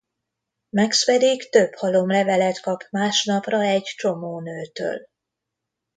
Max pedig több halom levelet kap másnapra egy csomó nőtől.